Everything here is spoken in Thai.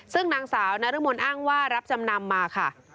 ซึ่งนางสาวนรมนอ้างว่ารับจำนำมาค่ะ